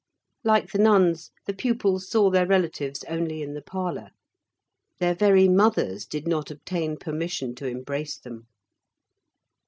Like the nuns, the pupils saw their relatives only in the parlor. Their very mothers did not obtain permission to embrace them.